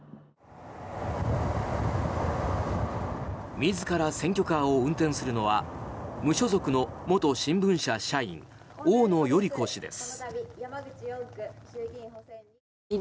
自ら選挙カーを運転するのは無所属の元新聞社社員大野頼子氏です。